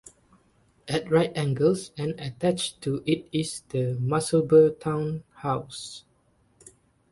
At right angles and attached to it is the Musselburgh Town House.